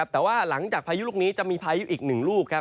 แต่ว่าหลังจากพายุลูกนี้จะมีพายุอีก๑ลูก